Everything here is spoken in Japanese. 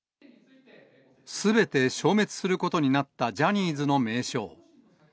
すべて消滅することになったジャニーズの名称。